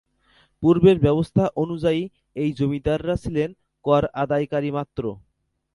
পূর্বের ব্যবস্থা অনুযায়ী এই জমিদাররা ছিলেন কর-আদায়কারী মাত্র।